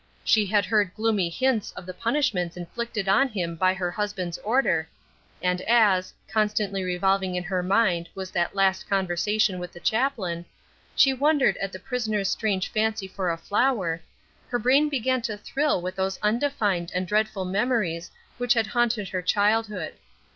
She had heard gloomy hints of the punishments inflicted on him by her husband's order, and as constantly revolving in her mind was that last conversation with the chaplain she wondered at the prisoner's strange fancy for a flower, her brain began to thrill with those undefined and dreadful memories which had haunted her childhood.